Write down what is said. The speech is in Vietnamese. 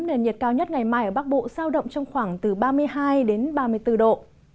nền nhiệt cao nhất ngày mai ở bắc bộ sao động trong khoảng từ ba mươi hai đến ba mươi bốn độ